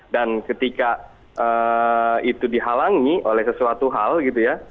dan ketika itu dihalangi oleh sesuatu hal gitu ya